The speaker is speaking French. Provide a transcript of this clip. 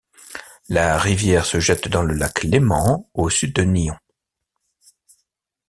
La rivière se jette dans le lac Léman au sud de Nyon.